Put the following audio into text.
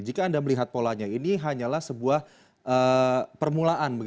jika anda melihat polanya ini hanyalah sebuah permulaan